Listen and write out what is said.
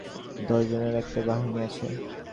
বাড়ির কাজকর্ম দেখাশোনার জন্যে দশজনের একটা বাহিনী আছে।